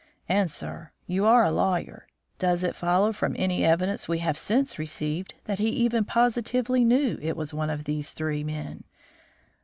And, sir, you are a lawyer, does it follow from any evidence we have since received that he even positively knew it was one of these three men?